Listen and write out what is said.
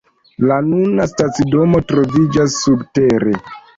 La nuna stacidomo troviĝas subtere.